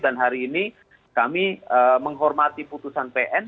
hari ini kami menghormati putusan pn